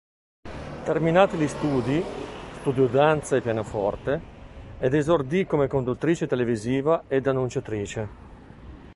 Terminati gli studi, studiò danza e pianoforte, ed esordì come conduttrice televisiva ed annunciatrice.